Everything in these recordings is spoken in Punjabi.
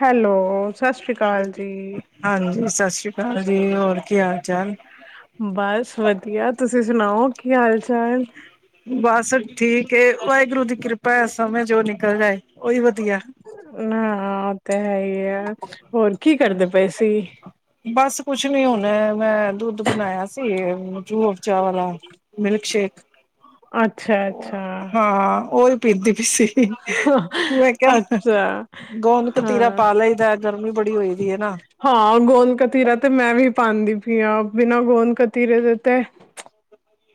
ਹੈਲੋ ਸਤਿ ਸ੍ਰੀ ਅਕਾਲ ਜੀ। ਹਾਂਜੀ ਸਤਿ ਸ਼੍ਰੀ ਅਕਾਲ ਜੀ। ਹੋਰ ਕੀ ਹਾਲ? ਚਾਲ ਬਸ ਵਧੀਆ ਤੁਸੀਂ ਤੁਸੀਂ ਸੁਣਾਓ ਕੀ ਹਾਲ- ਚਾਲ। ਬਸ ਠੀਕ ਏ। ਵਾਹਿਗੁਰੂ ਦੀ ਕਿਰਪਾ ਹੈ। ਸਮੇਂ ਜੋ ਨਿਕਲ ਜਾਏ। ਉਹੀ ਵ ਨਾ ਹਾਂ। ਤਾਂ ਹੈ ਹੀ। ਏ ਹੋਰ ਕੀ ਕਰਦੇ ਪਏ ਸੀ। ਬਸ। ਕੁਛ ਨੀ ਹੁਣਾ ਮੈਂ ਦੁੱਧ ਬਣਾਇਆ ਸੀ। [unintelligible] ਚਾਵਲਾਂ। Milk shake. ਅੱਛਾ। ਅੱਛਾ, ਹਾਂ ਓਹੀ। [unintelligible] ਮੈਂ ਕਿਹਾ ਅੱਛਾ, ਗੋਦ ਕਤੀਰਾ ਹਾਂ। ਪਾ ਲਈਦਾ ਗਰਮੀ ਬੜੀ ਹੋਈ ਦੀ ਹੈ ਨਾ। ਗੋਦ ਕਤੀਰਾ ਤੇ ਮੈਂ ਵੀ ਪਾਉਂਦੀ ਪਈ ਆ ਬਿਨਾਂ ਗੋਦ ਕਤੀਰੇ ਦੇ ਤੇ।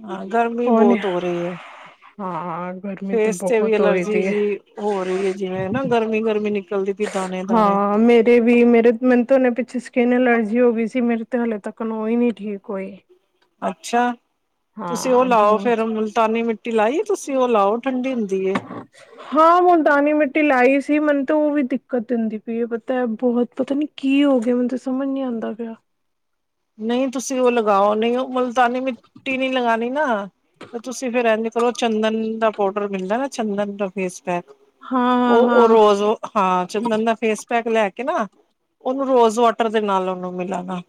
ਹਾਂ ਗਰਮੀ ਬਹੁਤ ਹੋ ਰਹੀ ਹੈ [unintelligible] ਹਾਂ ਗਰਮੀ ਤੇ ਫੇਸ ਵੀ ਬਹੁਤ ਹੋਈ ਐਲਰਜੀ ਦੀ ਹੈ ਜੀ ਹੋ ਰਹੀ ਹੈ ਜਿਵੇਂ ਨਾ ਗਰਮੀ ਗਰਮੀ ਨਿਕਲਦੀ ਪਈ ਦਾਣੇ ਦਾਣੇ ਹਾਂ ਮੇਰੇ ਵੀ ਮੇਰੇ ਮੈਨੂੰ ਤੇ ਹੁਣੇ ਪਿੱਛੇ ਸਕਿਨ ਅਲਰਜੀ ਹੋ ਗਈ ਸੀ ਮੇਰੇ ਤੇ ਹਾਲੇ ਤੱਕ। [unintelligible] ਓਇ ਨੀ ਠੀਕ ਕੋਈ। ਅੱਛਾ। ਤੁਸੀਂ ਉਹ ਲਾਓ ਬਹੁਤ ਫਿਰ ਮੁਲਤਾਨੀ ਮਿੱਟੀ ਲਾਈ ਤੁਸੀਂ ਉਹ ਲਾਓ ਠੰਡੀ ਹੁੰਦੀ ਐ। ਹਾਂ ਮੁਲਤਾਨੀ ਮਿੱਟੀ ਲਾਈ ਮੈਨੂੰ ਤਾਂ ਉਹ ਵੀ ਦਿੱਕਤ ਦਿੰਦੀ ਪਈ ਐ ਪਤਾ ਬਹੁਤ ਪਤਾ ਨੀ ਕੀ ਹੋ ਗਿਆ ਮੈਨੂੰ ਤਾਂ ਸਮਝ ਨੀ ਆਉਂਦਾ ਪਿਆ। ਨਹੀਂ ਤੁਸੀਂ ਓ ਲਗਾਓ ਨਹੀਂ ਮੁਲਤਾਨੀ ਮਿੱਟੀ ਨੀ ਲਗਾਣੀ ਨਾ ਤੇ ਤੁਸੀਂ ਫੇਰ [unintelligible] ਚੱਲੋ ਚੰਦਨ ਦਾ ਪਾਊਡਰ ਮਿਲਦਾ ਨਾ ਚੰਦਨ ਦਾ ਫੇਸ। ਹਾਂ ਹਾਂ ਉਹ ਉਹ ਹਾਂ ਰੋਜ਼ ਹਾਂ ਚੰਦਨ ਦਾ ਫੇਸ। ਪੈਗ ਲੈ ਕੇ ਨਾ ਉਹਨੂੰ ਰੋਜ਼ ਵਾਟਰ ਦੇ ਨਾਲ ਉਹਨੂੰ ਮਿਲਾਣਾ।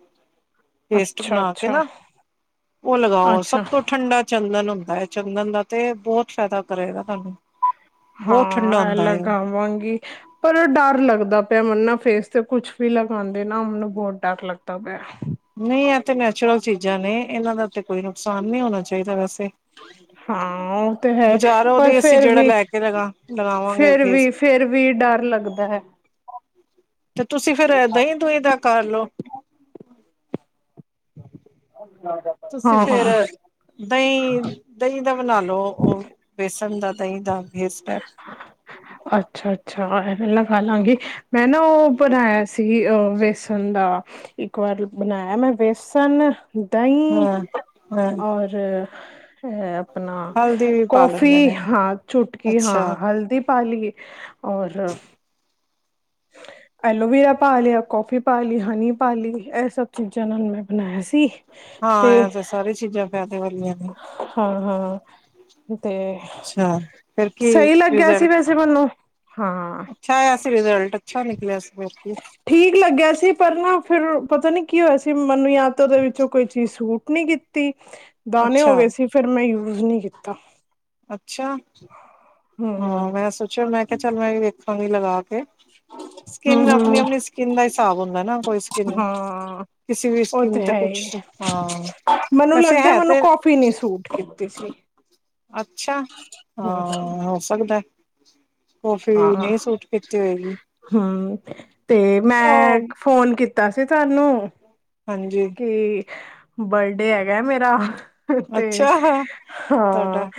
ਪੇਸਟ ਅੱਛਾ ਬਣਾ ਕੇ ਅੱਛਾ ਨਾ ਉਹ ਲਗਾਓ ਸਭ ਅੱਛਾ ਤੋਂ ਠੰਡਾ ਚੰਦਨ। ਚੰਦਨ ਦਾ ਤੇ ਬਹੁਤ ਫਾਇਦਾ ਕਰੇਗਾ ਤੁਹਾਨੂੰ। ਬਹੁਤ ਠੰਡਾ ਹਾਂ, ਇਹ ਹੁੰਦਾ ਹੈ ਉਹ ਲੱਗਾ ਆਵਾਂਗੀ ਪਰ ਡਰ ਲੱਗਦਾ ਪਿਆ ਮੈਨੂੰ ਨਾ ਫੇਸ। ਤੇ ਕੁੱਛ ਵੀ ਲਗਾਉਂਦੇ ਨਾ ਮੈਨੂੰ ਬਹੁਤ ਡਰ ਲੱਗਦਾ ਪਿਆ। ਨਹੀਂ ਇਹ ਤੇ ਨੈਚੁਰਲ ਚੀਜ਼ਾਂ ਨੇ ਇਹਨਾਂ ਦਾ ਤੇ ਕੋਈ ਨੀ। ਹਾਂ ਉਹ ਤੇ ਹੈ ਬਜ਼ਾਰੋਂ ਪਰ ਦੀ ਅਸੀਂ ਫਿਰ ਜਿਹੜਾ ਵੀ ਲੈ ਕੇ ਲਗਾ ਲਗਾਵਾਂਗੇ ਫਿਰ ਫੇਸ ਵੀ ਫਿਰ ਵੀ ਡਰ ਲੱਗਦਾ ਹੈ। ਤੇ ਤੁਸੀਂ ਫਿਰ ਦਹੀਂ ਦੂਹੀਂ ਦਾ ਕਰ ਲਓ। [unintelligible] ਤੁਸੀਂ ਫੇਰ ਹਾਂ ਦਹੀਂ ਦਹੀਂ ਦਾ ਬਣਾ ਲੋ ਉਹ ਬੇਸਣ ਦਾ ਦਹੀਂ ਦਾ ਫੇਸ ਪੈਕ। ਪਹਿਲਾਂ ਖਾ ਲਾਂਗੀ ਮੈਂ ਨਾ ਉਹ ਬਣਾਇਆ ਸੀ ਅਹ ਵੇਸਣ ਦਾ। ਇੱਕ ਵਾਰ ਬਣਾਇਆ ਮੈਂ ਵੇਸਨ। ਦਹੀਂ ਹਾਂ ਹਾਂ ਔਰ ਹੈ ਆਪਣਾ ਹਲਦੀ ਵੀ ਪਾ ਕੌਫੀ ਲੈਂਦੇ ਨੇ ਹਾਂ ਚੁਟਕੀ ਹਾਂ ਅੱਛਾ ਹਲਦੀ। ਪਾ ਲਈਏ। ਔਰ, ਐਲੋਵੀਰਾ ਪਾ ਲਿਆ, ਕੌਫੀ ਪਾ ਲਈ, ਹਨੀ ਪਾ ਲਈ ਇਹ ਸਭ ਚੀਜ਼ਾਂ ਨਾਲ ਮੈਂ ਬਣਾਇਆ ਸੀ। ਹਾਂ ਐ ਤੇ ਸਾਰੀ ਚੀਜ਼ਾਂ ਫ ਵਾਲੀਆਂ ਨੇ। ਹਾਂ, ਹਾਂ। ਤੇ ਅੱਛਾ ਫਿਰ ਕੀ ਸਹੀ ਲੱਗਿਆ ਸੀ ਰਿਜ਼ਲਟ ਵੈਸੇ ਮੈਨੂੰ। ਹਾਂ। ਅੱਛਾ ਆਇਆ ਸੀ ਰਿਜਲ ਅੱਛਾ ਨਿਕਲਿਆ ਸ ਠੀਕ ਲੱਗਿਆ ਸੀ ਪਰ ਨਾ ਫਿਰ ਪਤਾ ਨੀ ਕੀ ਹੋਇਆ ਸੀ ਮ ਮੈਨੂੰ ਯਾ ਤੇ ਉਹਦੇ ਵਿੱਚੋਂ ਕੋਈ ਚੀਜ਼ ਸੂਟ ਨੀ ਕੀਤੀ। ਦਾਨੇ ਹੋ ਅੱਛਾ ਗਏ ਸੀ ਫਿਰ ਮੈਂ [unintelligible] ਕੀਤਾ। ਅੱਛਾ, ਹਾਂ ਹਮ ਮੈਂ ਸੋਚਿਆ ਮੈਂ ਕਿਹਾ ਚੱਲ ਮੈਂ ਵੀ ਵੇ ਵੇਖਾਂਗੀ ਲਗਾ ਕੇ। ਸਕਿੰਨ ਅਪਣੀ ਅਪਣੀ ਸਕਿੰਨ ਦਾ ਹਿਸਾਬ ਹੁੰਦਾ ਨਾ ਕੋਈ ਸਕਿੰਨ, ਹਾਂ ਕਿਸੀ ਵੀ ਉਹ ਸਕਿੰਨ ਤੇ ਹੈ ਕੁਛ ਹੀ ਹਾਂ ਵੈਸੇ ਹੈ ਤੇ ਤੀਸੀ ਅੱਛਾ ਹਾਂ ਹੋ ਸਕਦਾ। [unintelligible] ਆਂ ਨਹੀਂ ਸੂਟ ਕੀਤੀ ਹੋਏਗੀ ਹਮ ਤੇ ਮੈਂ ਉਹ ਫੋਨ ਕੀਤ ਤਾ ਸੀ। ਤਾਨੂੰ। ਹਾਂਜੀ। ਬਰਡੇ ਹੈਗਾ ਮੇਰਾ। ਤੇ ਅੱਛਾ ਹਾਂ ਤੁਹਾਡਾ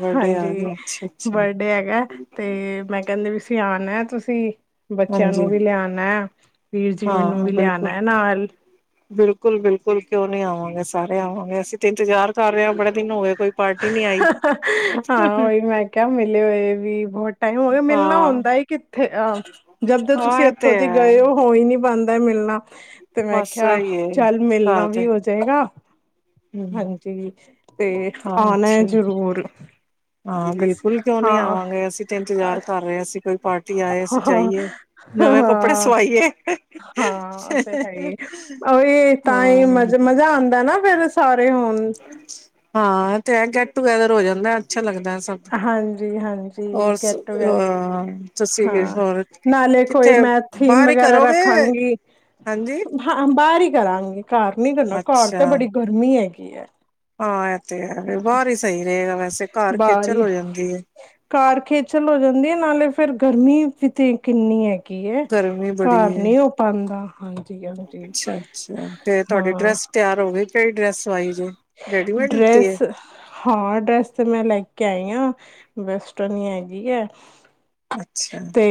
ਬਰਡੇ ਆ ਹਾਂਜੀ ਗਿਆ ਅੱਛਾ ਅੱਛਾ ਬਰਡੇ ਹੈਗਾ ਤੇ ਮੈਂ ਕਹਿੰਦੀ ਪਈ ਸੀਂ ਆ ਮੈਂ ਤੁਸੀਂ ਬੱਚਿਆਂ ਹਾਂਜੀ ਨੂੰ ਵੀ ਲਿਆਣਾ, ਵੀਰ ਜੀ ਨੂੰ ਵੀ ਲਿਆਣਾ ਨਾਲ। ਬਿਲਕੁਲ-ਬਿਲਕੁਲ ਕਿਉਂ ਨੀ ਆਵਾਂਗੇ ਸਾਰੇ ਆਵਾਂਗੇ ਅਸੀਂ ਤੇ ਇਨਤਜ਼ਾਰ ਹ-ਹ, ਹਾਂ ਉਹੀ ਮੈਂ ਕਿਹਾ ਮਿਲੇ ਹੋਏ ਵੀ ਬਹੁਤ ਟਾਈਮ ਹੋ ਗਿਆ ਮਿਲਣਾ ਹਾਂ ਹੁੰਦਾ ਕਿੱਥੇ ਆ ਜਦ ਦੇ ਤੁਸੀਂ ਹਾਂ ਇਹ ਇੱਥੋਂ ਤੇ ਦੀ ਹੈ ਗਏ ਹੋ ਹੋਈ ਨੀ ਬਣਦਾ ਮਿਲਣਾ ਤੇ ਮੈਂ ਬਸ ਕਿਹਾ ਇਹੀ ਏ ਚੱਲ ਮਿਲਣਾ ਘਰ ਦੇ ਵੀ ਹੋ ਜਾਏਗਾ ਹੂੰ ਹਾਂਜੀ ਤੇ ਹਾਂ ਆਣਾ ਏ ਅੱਛਾ ਜ਼ਰੂਰ ਹਾਂ ਬਿਲਕੁੱਲ ਕਿਉਂ ਨੀ ਹਾਂ ਆਵਾਂਗੇ ਅਸੀਂ ਤੇ ਇੰਤਜ਼ਾਰ ਕਰ ਰਹੇ ਅਸੀਂ ਕੋਈ ਪਾਰਟੀ ਆਏ ਅਸੀਂ ਹਾਂ ਜਾਈਏ ਨਵੇਂ ਕੱਪੜੇ ਹਾਂ ਸਵਾਈਏ ਹਾਂ ਉਹ ਤੇ ਹੈ ਹੀ ਉਹੀ ਤਾਂ ਹੀ ਹਾਂ। ਮਜ਼ ਮਜ਼ਾ ਆਉਂਦਾ ਨਾ ਫੇਰ ਸਾ ਹਾਂ ਤੇਂ ਐ ਗੈਟ ਟੂਗੈਦਰ ਹੋ ਜਾਂਦੈ ਹਾਂਜੀ-ਹਾਂਜੀ ਔਰ ਗੈਟ ਅ ਟੂਗੈਦਰ ਤੁਸੀਂ ਹਾਂ ਹੋਰ ਨਾਲੇ ਕੋਈ ਕਿੱਥੇ ਮੈਂ ਥੀਮ ਬਾਹਰ ਹੀ ਵਗੈਰਾ ਕਰੋਗੇ ਰੱਖਾਂਗੀ ਹਾਂਜੀ ਬਾਰ ਹੀ ਕਰਾਂਗੇ। ਘਰ ਨੀ ਕਰਨਾ ਘਰ ਅੱਛਾ ਤੇ ਬੜੀ ਗਰਮੀ ਏ [unintelligible] ਹਾਂ ਤੇ ਬਾਹਰ ਹੀ ਸਹੀ ਰਹੇਗਾ ਵੈਸੇ ਘਰ ਖੇਚਲ ਹੋ ਜਾਂਦੀ ਏ ਕਾਰ ਖੇਚਲ ਹੋ ਜਾਂਦੀ ਏ ਨਾਲੇ ਫਿਰ ਗਰਮੀ ਵੀ ਤੇ ਕਿੰਨੀ ਏ ਕੀਵਏ ਗਰਮੀ ਬੜੀ ਘਰ ਏ ਨੀ ਹੋ ਪਾਂਦਾ ਹਾਂਜੀ-ਹਾਂਜੀ ਅੱਛਾ-ਅੱਛਾ ਤੇ ਤੁਹਾਡੀ ਹਾਂ। ਡਰੈਸ ਤਿਆਰ ਹੋ ਗਈ ਕਿਹੜੀ ਡਰੈਸ ਸਵਾਈ ਜੇ ਰੈਡੀਮੇਡ ਲਿੱਤੀ ਏ ਡਰੈਸ ਹਾਂ ਡਰੈਸ ਤੇ ਮੈਂ ਲੈ ਕੇ ਆਈ ਹਾਂ ਵੈਸਟਰਨ ਹੈਗੀ ਹੈ ਤੇ ਅੱਛਾ-ਅੱਛਾ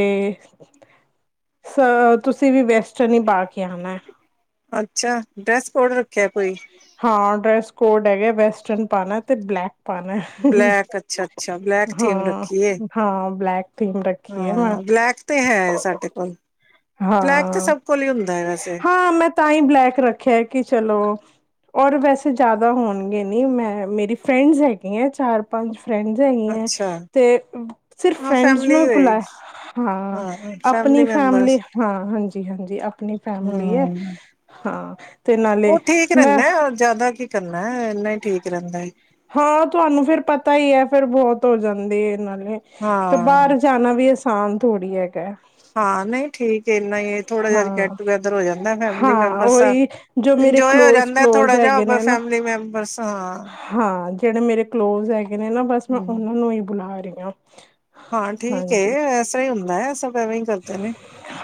ਅ ਤੁਸੀਂ ਵੀ ਬੈਸਟ ਸ਼ਨੀ ਪਾ ਕੇ ਆਉਣਾ ਹੈ ਅੱਛਾ ਡਰੈਸ ਕੋਡ ਰੱਖਿਆ ਕੋਈ ਹਾਂ ਡੈਸ ਕੋਡ ਹੈਗਾ ਵੈਸਟਰਨ ਪਾਉਣਾ ਤੇ ਬਲੈਕ ਆਪ ਬਲੈਕ ਅੱਛਾ-ਅੱਛਾ ਬਲੈਕ ਥੀਮ ਹਾਂ ਰੱਖੀ ਏ ਹਾਂ ਬਲੈਕ ਥੀਮ ਰੱਖੀ ਹੈ ਮੈਂ ਹਾਂ ਬਲੈਕ ਤੇ ਹੈ ਸਾਡੇ ਕੋਲ ਬਲੈਕ ਤੇ ਹਾਂ ਸਭ ਕੋਲ ਹੀ ਹੁੰਦਾ ਹੈ ਵੈਸੇ ਹਾਂ ਮੈਂ ਤਾਂ ਹੀ ਬਲੈਕ ਰੱਖਿਆ ਕਿ ਚਲੋ ਔਰ ਵੈਸੇ ਜ਼ਿਆਦਾ ਹੋਣਗੇ ਨੀ ਮੈਂ ਮੇਰੀ ਫਰੈਂਡਸ ਹੈਗੀ ਹੈ ਚਾਰ ਪੰਜ ਫਰੈਂਡਸ ਹੈਗ ਹੈ ਅੱਛਾ ਤੇ ਸਿਰਫ ਹਾਂ ਫਰੈਂਡਸ ਨੂੰ ਫੈਮਲੀ ਹੀ ਹੋਏ ਭੁਲਾਇਆ ਹਾਂ ਆਪਣੀ ਫੈਮਲੀ ਹਾਂ ਹਾਂਜੀ ਹਾਂਜੀ ਆਪਣੀ ਫੈਮਲੀ ਹੈ ਹੂੰ ਹਾਂ ਤੇ ਨਾਲੇ ਉਹ ਠੀਕ ਮੈਂ ਰਹਿੰਦਾ ਜ਼ਿਆਦਾ ਕੀ ਕਰਨਾ ਇੰਨਾ ਠੀਕ ਰਹਿੰਦਾ ਹੈ ਹਾਂ ਤੁਹਾਨੂੰ ਫੇਿਰ ਪਤਾ ਹੀ ਹੈ ਫੇਿਰ ਬਹੁਤ ਹੋ ਜਾਂਦੇ ਇਹ ਨਾਲੇ ਫਰ ਹਾਂ ਬਾਹਰ ਜਾਣਾ ਵੀ ਅਂ ਹਾਂ ਥੋੜੀ ਐ ਹਾਂ, ਨਹੀਂ ਠੀਕ ਇਨਾ ਹੀ ਥੋੜਾ ਜਿਹਾ ਗੈਟ- ਹਾਂ ਟੂਗੇੈਦਰ ਹੋ ਜਾਂਦਾ ਫੈਮਿਲੀ ਹਾਂ ਮੈਂਬਰਸ ਦਾ ਉਹੀ ਜੋ ਮੇਰੇ ਇੰਜੋਏ ਹੋ ਕਲੋਜ ਜਾਂਦਾ ਕਲੋਜ ਥੋੜਾ ਹੈਗੇ ਜਿਹਾ ਨੇ ਨਾ ਫੈਮਿਲੀ ਮੈਂਬਰਸ ਹਾਂ ਹਾਂ, ਜਿਹੜੇ ਮੇਰੇ ਕਲੋਜ਼ ਹੈਗੇ ਨਾ ਬਸ ਮੈਂ ਹਮ ਉਹਨਾਂ ਨੂੰ ਹੀ ਬੁਲਾ ਡਿਨਔ [inaudible] ਹਾਂ ਠੀਕ ਐ ਵੈਸਾ ਹੀ ਹੁੰਦਾ ਸਬ ਐਵੇਂ ਹੀ ਕਰਦੇ ਨੇ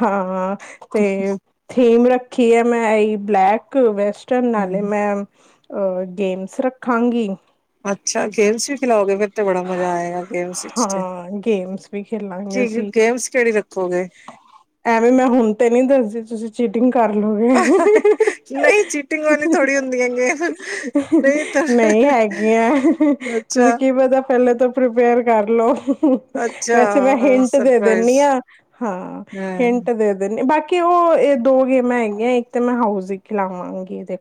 ਹਾਂ ਤੇ ਥੀਮਰਾ ਕੀ ਐਮ ਆਈ ਬਲੈਕ ਵੈਸਟ ਚਲ ਨਾਲੇ ਹਮ ਮੈਮ ਅਹ ਗੇਮਸ ਰੱਖਾਂਗੀ ਅੱਛਾ ਗੇਮਸ ਵੀ ਖਿਲਾਓਗੇ ਫਿਰ ਤੇ ਬੜਾ ਮਜ਼ਾ ਆਏਗਾ ਗੇਮਸ ਵਿੱਚ ਤੇ ਹਾਂ ਗੇਮਸ ਵੀ ਖੇਲਾਂਗੇ ਕੀ ਅਸੀਂ ਗੇਮਸ ਕਿਹੜੀ ਰੱਖੋਗੇ ਐਵੇਂ ਮੈਂ ਹੁਣ ਤੇ ਨੀ ਦੱਸਦੀ ਤੁਸੀਂ ਚੀਟਿੰਗ ਕਰ ਲਓਗੇ ਨਹੀਂ ਚੀਟਿੰਗ ਵਾਲੀ ਥੋੜ੍ਹੀ ਹੁੰਦੀਆਂ ਗੇਮ ਨਹੀਂ ਤਾਂ ਨਹੀਂ ਹੈਗੀਆਂ ਤੁਸੀਂ ਅੱਛਾ ਪਹਿਲੇ ਤੋਂ ਪ੍ਰੀਪੇਅਰ ਕਰਲੋ। ਅੱਛਾ ਵੈਸੇ ਮੈਂ ਹਿੰਟ ਦੇ ਸਰਪ੍ਰਾਈਜ਼ ਦਿੰਦੀ ਹਾਂ ਹਾਂ ਹਾਂ ਹਿੰਟ ਦੇ ਦਿੰਦੀ ਬਾਕੀ ਕਿ ਉਹ ਇਹ ਦੋ ਗੇਮਾਂ ਹੈਗੀਆਂ ਇੱਕ ਤੇ ਮੈਂ ਹਾਊਸ ਦੀ ਖਿਲਾਵਾਂਗੀ ਇਹਦੇ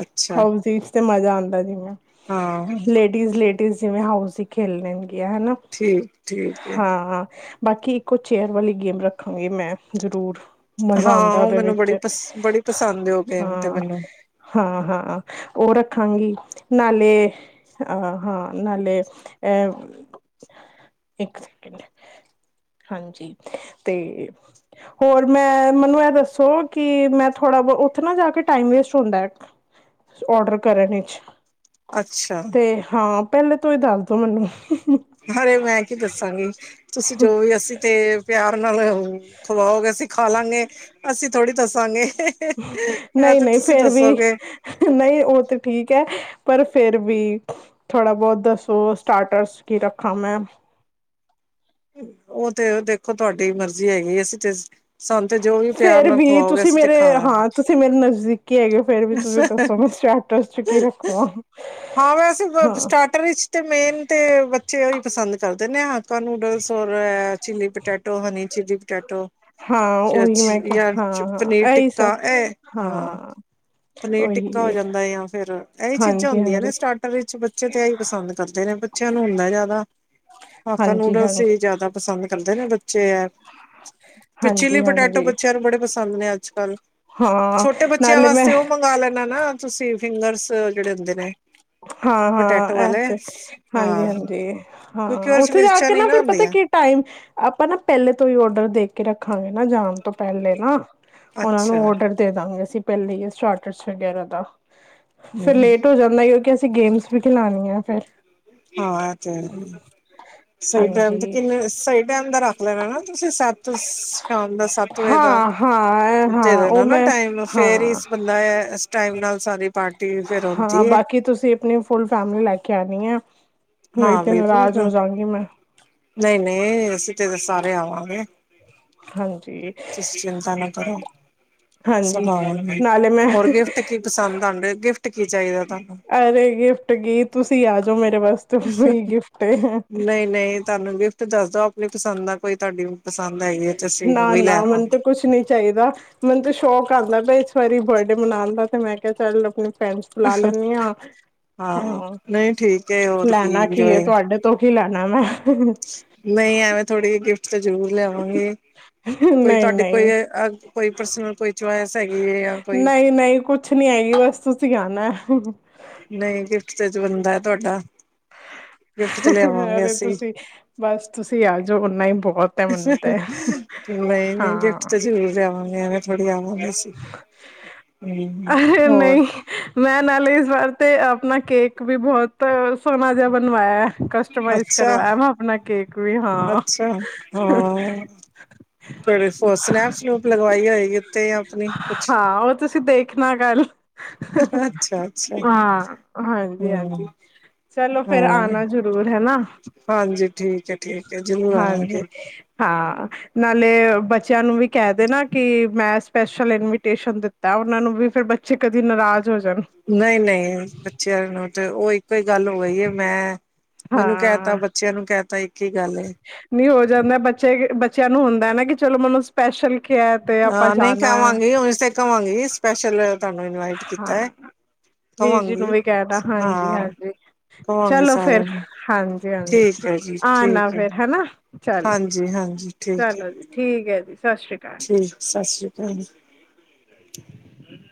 ਅੱਛਾ ਹਾਊਜਿਜ ਤੇ ਮਜ਼ਾ ਆਂਦਾ ਜਿਵੇਂ ਹਾਂ ਲੇਡੀਜ਼- ਲੇਡੀਜ਼, ਜਿਵੇਂ ਹਾਊਜੀ ਖੇਲਦੇ ਨੇ ਵਧੀਆ ਹੈਨਾ ਠੀਕ ਠੀਕ ਹੈ ਹਾਂ। ਬਾਕੀ ਇੱਕੋ ਚੇਅਰ ਵਾਲੀ ਗੇਮ ਰੱਖਾਂਗੇ ਮੈਂ ਜ਼ਰੂਰ ਮਜ਼ਾ ਹਾਂ ਆਉਂਦਾ ਉਹ ਉਹਦੇ ਮੈਨੂੰ ਬੜੀ ਵਿੱਚ ਪਸ ਬੜੀ ਪਸੰਦ ਉਹ ਗੇਮ ਤੇ ਹਾਂ ਮੈਨੂੰ ਹਾਂ, ਹਾਂ ਉਹ ਰੱਖਾਂਗੀ ਨਾਲੇ ਅਹ ਹਾਂ। ਨਾਲੇ ਇਹ ਇਕ ਸੈਕਿੰਡ ਹਾਂਜੀ ਤੇ ਹੋਰ ਮੈਂ ਮੈਨੂੰ ਇਹ ਦਸੋ ਕਿ ਮੈਂ ਥੋੜਾ ਓਥੇ ਨਾ ਜਾ ਕੇ ਟੈਮ ਵੇਸਟ ਹੁੰਦਾ ਔਡਰ ਕਰਨ ਵਿਚ ਅੱਛਾ ਤੇ ਹਾਂ ਪਹਿਲੇ ਤੋਂ ਹੀ ਦਸ ਦਿਉ ਮੈਨੂੰ ਹਲੇ ਮੈਂ ਕੀ ਦੱਸਾਂਗੀ। ਤੁਸੀਂ ਜੋ ਵੀ ਅਸੀਂ ਤੇ ਪਿਆਰ ਨਾਲੇ ਓਹ ਹੂੰ ਖਵਾਓਗੇ ਅਸੀ ਖਾ ਲਾਂਗੇ ਅਸੀਂ ਥੋੜ੍ਹੀ ਦੱਸਾਂਗੇ ਇਹ ਨਹੀਂ ਤੇ ਨਹੀਂ ਤੁਸੀਂ ਫੇਿਰ ਵੀ ਦੱਸੋਗੇ ਨਹੀਂ ਉਹ ਤੇ ਠੀਕ ਹੈ ਪਰ ਫੇਿਰ ਵੀ ਥੋੜ੍ਹਾ ਬਹੁਤ ਦੱਸੋ ਸਟਾਰਟਰਸ ਕੀ ਰੱਖਾਂ ਮੈਂ ਉਹ ਤੇ ਦੇਖੋ ਤੁਹਾਡੀ ਮਰਜ਼ੀ ਹੈਗੀ ਅਸੀਂ ਤੇ ਤੇ ਜੋ ਵੀ ਪਿਆਰ ਫੇਰ ਨਾਲ ਵੀ ਖਵਾਓਗੇ ਤੁਸੀਂ ਅਸੀਂ ਤੇ ਮੇਰੇ ਖਾ ਲਾਂਗੇ ਹਾਂ ਤੁਸੀਂ ਮੇਰੇ ਨਜ਼ਦੀਕ ਚ ਕੀ ਰੱਖਵਾਂ ਹਾਂ ਵੈਸੇ ਹਾਂ ਸਟਾਰਟਰ ਤੇ ਮੇਨ ਤੇ ਬੱਚੇ ਉਹਹੀ ਪਸੰਦ ਕਰਦੇ ਨੇ ਹਕਾ ਨੂਡਲਸ ਹੋਔਰ chilli potato honey chilli potato ਹਾਂ ਉਹੀ ਮੈਂ ਕਿਹਾ ਜਾਂ ਹਾਂ ਪਨੀਰ ਹਾਂ ਇਹੀ ਸਭ ਟਿੱਕਾ ਇਹ ਹਾਂ ਪਨੀਰ ਟਿੱਕਾ ਹੋ ਉਹੀ ਜਾਂਦਾ ਜਾਂ ਫੇਿਰ ਇਹੀ ਚੀਜ਼ਾਂ ਹਾਂਜੀ ਹੁੰਦੀਆਂ ਨੇ ਹਾਂਜੀ ਸਟਾਰਟਰ ਵਿੱਚ ਬੱਚੇ ਤੇ ਇਹੀ ਪਸੰਦ ਕਰਦੇ ਨੇ ਬੱਚਿਆਂ ਨੂੰ ਹੁੰਦਾ ਜ਼ਿਆਦਾ ਹਾਫਾ ਹਾਂਜੀ ਨੂਡਲਸ ਹਾਂਜੀ ਹੀ ਜ਼ਿਆਦਾ ਪਸੰਦ ਕਰਦੇ ਨੇ ਬੱਚੇ ਹੈ ਪਿਚੀਲੀ ਹਾਂਜੀ ਪੋਟੈਟੋ ਹਾਂਜੀ ਬੱਚਿਆਂ ਨੂੰ ਬੜੇ ਪਸੰਦ ਦੇ ਨੇ ਅੱਜ ਕੱਲ੍ਹ ਹਾਂ ਨਾਲ ਮੈਂ ਂ ਉਹ ਮੰਗ ਲੈਣਾ ਨਾ ਤੁਸੀਂ ਫਿੰਗਰਸ ਜਿਹੜੇ ਹੁੰਦੇ ਨੇ ਹਾਂ ਪਟੈਟੋ ਹਾਂ ਇਹ ਵਾਲੇ ਤੇ ਹਾਂਜੀ ਹਾਂ ਹਾਂਜੀ ਹਾਂ ਕਿਉਂਕਿ ਉਹਦੇ ਚ ਉੱਥੇ ਜਾ ਮਿਰਚਾਂ ਕੇ ਨੀ ਨਾ ਫਿਰ ਪਤਾ ਹੁੰਦੀਆਂ ਕੀ ਟਾਈਮ ਆਪਾਂ ਨਾ ਪਹਿਲੇ ਤੋਂ ਹੀ ਓਡਰ ਦੇ ਕੇ ਰੱਖਾਂਗੇ ਨਾ ਜਾਣ ਤੋਂ ਪਹਿਲੇ ਨਾ ਉਹਨਾਂ ਅੱਛਾ ਨੂੰ ਔਡਰ ਦੇ ਦਾਂਗੇ ਅਸੀਂ ਪਹਿਲੇ ਸਟਾਰਟਰਸ ਵਗੈਰਾ ਦਾ ਫੇਿਰ ਹਮ ਲੇਟ ਹੋ ਜਾਂਦਾ ਅਸੀਂ ਗੇਮਸ ਵੀ ਖਿਲਾਣੀ ਆ ਫਿਰ ਹਾਂ ਤੇ ਸਹੀ ਟਾਈਮ ਤੇ ਹਾਂਜੀ ਕਿੰਨੇ ਸਹੀ ਟਾਈਮ ਦਾ ਰੱਖ ਲੈਣਾ ਨਾ ਤੁਸੀਂ ਸੱਤ ਸ਼ਾਮ ਦਾ ਸੱਤ ਵਜੇ ਦਾ ਹਾਂ ਹਾਂ ਦੇ ਹਾਂ ਉਹ ਦੇਣਾ ਨਾ ਮੈਂ ਟਾਈਮ ਫੇਰ ਹੀ ਹਾਂ ਇਸ ਬੰਦਾ ਟਾਈਮ ਨਾਲ ਸਾਰੀ ਪਾਰਟੀ ਫੇਰ ਆਉਂਦੀ ਹਾਂ ਹੈ। ਬਾਕੀ ਤੁਸੀਂ ਆਪਣੀ ਫੁਲ ਫੈਮਿਲੀ ਲੈ ਕੇ ਕਹਿਦੀ ਆ ਨਹੀਂ ਹਾਂ ਤੇ ਬਿਲਕੁਲ ਨਾਰਾਜ਼ ਹੋ ਜਾਗੀ ਮੈਂ ਨਹੀਂ ਨਹੀਂ ਅਸੀਂ ਉਥੇ ਤਾਂ ਸਾਰੇ ਆਵਾਂਗੇ ਹਾਂਜੀ ਤੁਸੀਂ ਚਿੰਤਾ ਨਾ ਕਰੋ ਹਾਂਜੀ ਸਭ ਆਵਾਂਗੇ। ਨਾਲੇ ਮੈਂ ਹੋਰ ਗਿਫਟ ਕੀ ਪਸੰਦ ਆਂਦੇ ਗਿਫਟ ਕੀ ਚਾਹੀਦਾ ਤੁਹਾਨੂੰ? ਅਰੇ ਗਿਫਟ ਕੀ ਤੁਸੀਂ ਆ ਜਾਓ ਮੇਰੇ ਵਾਸਤੇ ਉਹੀ ਗਿਫਟ ਹੈ ਨਹੀਂ ਨਹੀਂ ਤੁਹਾਨੂੰ ਗਿਫਟ ਦੱਸ ਦਓ ਆਪਣੀ ਪਸੰਦ ਆ ਕੋਈ ਤੁਹਾਡੀ ਪਸੰਦ ਹੈਗੀ ਹੈ ਤੇ ਅਸੀਂ ਨਾ ਉਹੀ ਨਾ ਲੈ ਮੈਨੂੰ ਆਵਾਂਗੇ। ਤਾਂ ਕੁਛ ਨੀ ਚਾਹੀਦਾ ਮੈਨੂੰ ਤਾਂ ਸ਼ੌਕ ਦਾ ਤੇ ਇਸ ਵਾਰੀ ਬਰਡੇ ਮਨਾਉਣ ਦਾ ਤੇ ਮੈਂ ਕਿਹਾ ਚੱਲ ਆਪਣੀ ਪੈਨਸ ਲਾ ਲੈਂਦੀ ਹਾਂ ਹਾਂ ਨਹੀਂ ਠੀਕ ਹੈ ਹੋਰ ਲੈਣਾ ਕੀ ਹੈ ਇੰਜੋਏ ਤੁਹਾਡੇ ਤੋਂ ਕੀ ਲੈਣਾ ਮੈ ਨਹੀਂ ਐਵੇਂ ਥੋੜ੍ਹੀ ਜਿਹੀ ਗਿਫਟ ਤੇ ਜ਼ਰੂਰ ਲਿਆਵਾਂਗੇ। ਕੋਈ ਨਹੀਂ ਤੁਹਾਡੀੇ ਕੋਈ ਨਹੀਂ ਕੋਈ ਪਰਸਨਲ ਕੋਈ ਚਇਸ ਹੈਗੀ ਹੈ ਜਾਂ ਕੋਈ ਕੁੱਛ ਨੀ ਆਏਗੀ ਬਸ ਤੁਸੀਂ ਆਣਾ। ਨਹੀਂ ਗਿਫਟ ਤੇ ਚ ਬੰਦਾ ਹੈ ਤੁਹਾਡਾ। ਗਿਫਟ ਤੇ ਲਿਆਵਾਂਗੇ ਅਰੇ ਅਸੀਂ ਤੁਸੀਂ ਬਸ ਤੁਸੀਂ ਆ ਜਾਓ ਓਨਾ ਹੀ ਬਹੁਤ ਹੈ ਮੈਨੂੰ ਤੇ ਹਾਂ। ਬੜੀਆ [unintelligible] ਅਰੇ ਹੋਰ। ਨਹੀਂ ਮੈਂ ਨਾਲ ਇਸ ਵਾਰ ਤਾਂ ਆਪਣਾ ਕੇਕ ਵੀ ਬਹੁਤ ਸੋਹਣਾ ਜਿਹਾ ਬਣਵਾਇਆ। ਕਸਟਮਾਈਜ਼ ਅੱਛਾ ਕਰਵਾਇਆ ਮੈਂ ਆਪਣਾ ਕੇਕ ਵੀ ਹਾਂ ਅੱਛਾ। ਹਾਂ ਫਿਰ ਸਨੈਪ ਸਨੂਪ ਲਗਵਾਈ ਹੋਏਗੀ ਉੱਥ ਹਾਂ ਉਹ ਤੁਸੀਂ ਦੇਖ ਖਣਾ ਕਲ। ਅੱਛਾ ਅੱਛਾ ਹਾਂ ਹਾਂਜੀ ਹਾਂਜੀ ਹਮ ਚਲੋ ਫੇਰ ਹਾਂ ਆਣਾ ਜ਼ਰੂਰ ਹੈ ਨਾ। ਹਾਂਜੀ ਠੀਕ ਹੈ ਠੀਕ ਜਰੂਰ ਆਵਾਂਗੇ। ਹਾਂ ਨਾਲੇ ਬੱਚਿਆਂ ਨੂੰ ਵੀ ਕਹਿ ਦੇ ਨਾ ਕਿ ਮੈਂ ਸਪੈਸ਼ਲ ਇਨਵੀਟੇਸ਼ਨ ਦਿੱਤਾ ਉਹਨਾਂ ਨੂੰ ਵੀ ਫਿਰ ਬੱਚੇ ਕਦੀ ਨਾਰਾਜ਼ ਹੋ ਜਾਣ ਨਹੀਂ ਨਹੀਂ ਬੱਚਿਆਂ ਨੂੰ ਤੇ ਉਹ ਇੱਕੋ ਹੀ ਗੱਲ ਹੋਈ ਹੈ ਮੈਂ ਮੈਨੂੰ ਕਹਿ ਤਾ ਹਾਂ ਬੱਚਿਆਂ ਨੂੰ ਕਹਿ ਤਾ ਇੱਕ ਹੀ ਗੱਲ ਏ। ਨਹੀਂ ਹੋ ਜਾਂਦਾ ਬੱਚੇ ਬੱਚਿਆਂ ਨੂੰ ਹੁੰਦਾ ਹਨ ਨਾ ਕਿ ਚਲੋ ਮੈਨੂੰ ਸਪੈਸ਼ਲ ਕਿਹਾ ਤੇ ਆਪਾਂ ਹਹ ਨਹੀਂ ਜਾਣਾ ਹੈ। ਕਾਵਾਂਗੇ ਹ ਕਵਾਂਗੀ ਸਪੈਸ਼ਲ। ਤੁਹਾਨੂੰ ਇਨਵਾਈਟ ਕੀਤਾ ਹੈ ਹਾਂ। ਵੀਰ ਜੀ ਨੂੰ ਕਵਾਂਗੀ ਵੀ ਕਹਿਣਾ ਹਾਂਜੀ ਹਾਂ ਹਾਂਜੀ ਕਵਾਂਗੀ ਚਲੋ ਫੇਰ ਸਾਰਿਆਂ ਨੂੰ ਹਾਂਜੀ ਹਾਂਜੀ ਠੀਕ ਹੈ ਜੀ ਆਨਾ ਠੀਕ ਹੈ ਫੇਰ ਹੈਨਾ ਚਲੋ ਹਾਂਜੀ ਹਾਂਜੀ ਠੀਕ ਹੈ ਚਲੋ ਜੀ ਠੀਕ ਹੈ ਜੀ। ਸਤਿ ਸ਼੍ਰੀ ਅਕਾਲ ਠੀਕ ਸਤਿ ਸ੍ਰੀ ਅਕਾਲ ਜੀ। [inaudible]